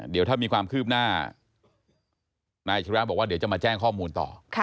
เดี๋ยวถ้ามีความคืบหน้านายอาชิริยะบอกว่าเดี๋ยวจะมาแจ้งข้อมูลต่อ